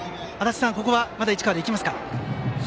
ここはまだ市川で行きますか？